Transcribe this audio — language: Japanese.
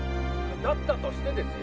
だったとしてですよ